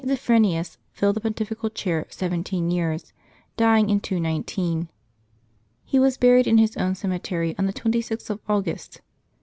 Zephyrinus filled the pontifical chair seventeen years, dying in 219. He was buried in his own cemetery, on the 26th of August.